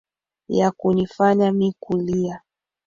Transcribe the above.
ya kunifanya mi kulia